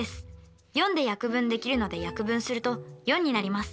４で約分できるので約分すると４になります。